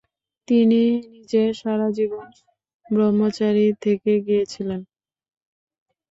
তিনি নিজে সারাজীবন ব্রহ্মচারী থেকে গিয়েছিলেন।